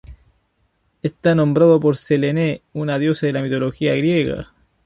Está nombrado por Selene, una diosa de la mitología griega.